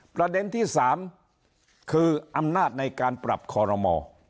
ประเด็นที่๓คืออำนาจในการปรับคอรมอ